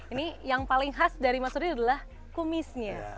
ini yang paling khas dari mas surya adalah kumisnya